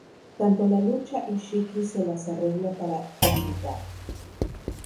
Tanto la lucha y Shiki se las arregla para debilitar.